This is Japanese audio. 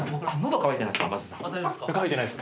渇いてないっす。